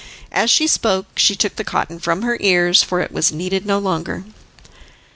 As she spoke she took the cotton from her ears, for it was needed no longer.